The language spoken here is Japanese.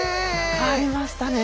変わりましたね。